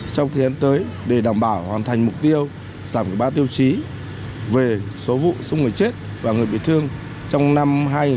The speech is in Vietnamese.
trong thời gian tới để đảm bảo hoàn thành mục tiêu giảm ba tiêu chí về số vụ số người chết và người bị thương trong năm hai nghìn một mươi chín